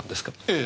ええ。